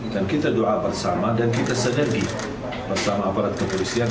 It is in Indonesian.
dan kita doa bersama dan kita sedergi bersama aparat kepolisian